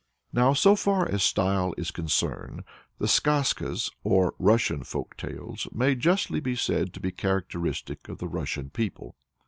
Now, so far as style is concerned, the Skazkas or Russian folk tales, may justly be said to be characteristic of the Russian people.